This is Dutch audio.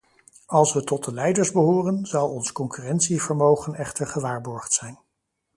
Als we tot de leiders behoren, zal ons concurrentievermogen echter gewaarborgd zijn.